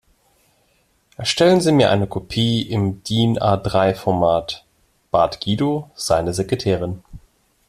Erstellen Sie mir eine Kopie im DIN-A-drei Format, bat Guido seine Sekretärin.